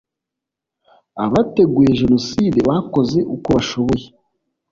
abateguye jenoside, bakoze uko bashoboye